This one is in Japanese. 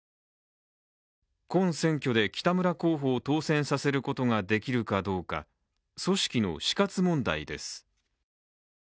今選挙で北村候補を当選させることができるかどうか、組織の死活問題です。